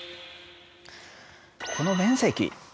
この面積。